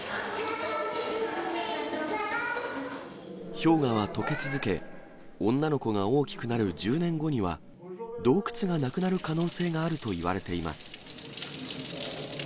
氷河はとけ続け、女の子が大きくなる１０年後には、洞窟がなくなる可能性があるといわれています。